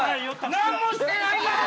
何もしてないがな！